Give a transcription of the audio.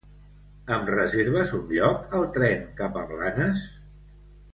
Em reserves un lloc al tren cap a Blanes?